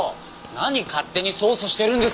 何勝手に捜査してるんですか！